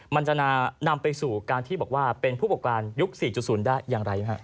มันจะนำไปสู่การที่บอกว่าเป็นผู้ปกครองยุค๔๐ได้อย่างไร